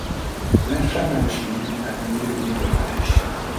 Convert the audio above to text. L’infâme anonyme a donné le meilleur avis.